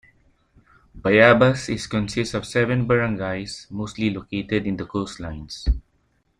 Bayabas is consist of seven barangays mostly located in the coastlines.